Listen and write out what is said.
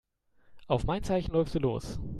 Auf mein Zeichen läufst du los.